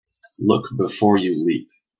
Look before you leap.